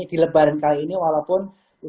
di lebaran kali ini walaupun